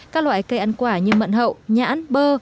các loại cây ăn quả như mận hậu nhãn bơ